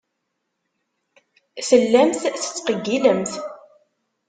Tellamt tettqeyyilemt.